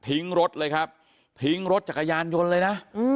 รถเลยครับทิ้งรถจักรยานยนต์เลยนะ